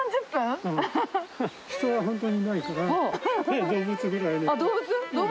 人は本当にいないから、動物？